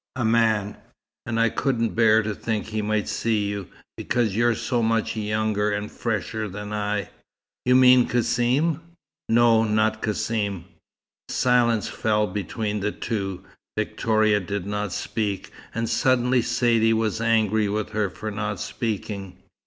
A man. And I couldn't bear to think he might see you, because you're so much younger and fresher than I." "You mean Cassim?" "No. Not Cassim." Silence fell between the two. Victoria did not speak; and suddenly Saidee was angry with her for not speaking.